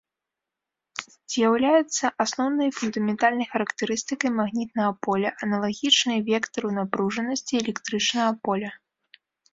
З'яўляецца асноўнай фундаментальнай характарыстыкай магнітнага поля, аналагічнай вектару напружанасці электрычнага поля.